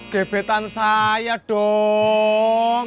gebetan saya dong